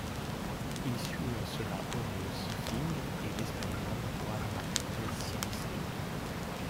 Il suit en cela Oronce Fine et l'espagnol Juan Martínez Silíceo.